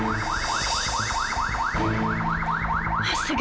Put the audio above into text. operasinya akan sampai mendatang